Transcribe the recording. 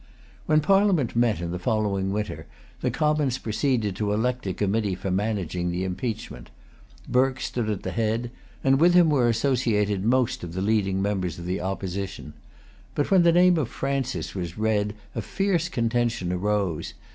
When Parliament met in the following winter, the Commons proceeded to elect a committee for managing the impeachment. Burke stood at the head; and with him were associated most of the leading members of the Opposition. But when the name of Francis was read a fierce contention arose.